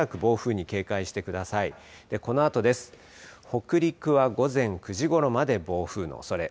北陸は午前９時ごろまで暴風のおそれ。